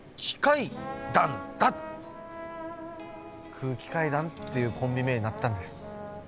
「空気階段」っていうコンビ名になったんです。